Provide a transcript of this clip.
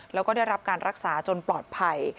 แล้วก็ได้รับการรักษาจนปลอดภัย